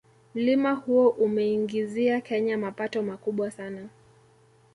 Mlima huo umeiingizia kenya mapato makubwa sana